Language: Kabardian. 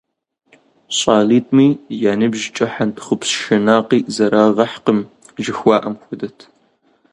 ЩӀалитӀми я ныбжькӀэ хьэнтхъупс шынакъи зэрагъэхькъым жыхуаӀэм хуэдэт.